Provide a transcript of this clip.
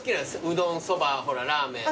うどんそばほらラーメン。